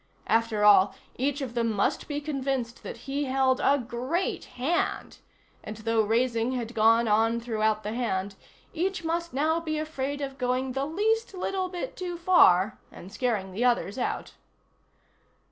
After all, each of them must be convinced that he held a great hand, and though raising had gone on throughout the hand, each must now be afraid of going the least little bit too far and scaring the others out.